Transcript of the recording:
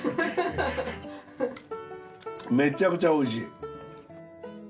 めちゃくちゃおいしい。